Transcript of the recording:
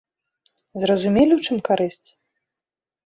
Зразумелі, у чым карысць?